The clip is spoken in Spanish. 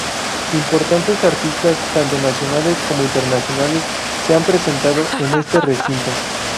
Importantes artistas, tanto nacionales como internacionales, se han presentado en este recinto.